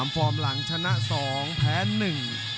๓ฟอร์มหลังชนะ๒แพ้๑